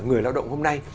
người lao động hôm nay